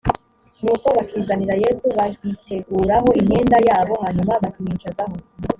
nuko bakizanira yesu bagiteguraho imyenda yabo hanyuma bakimwicazaho